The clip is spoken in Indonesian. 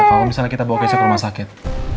kalo misalnya kita bawa keisha ke rumah sakit